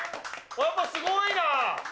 やっぱすごいな。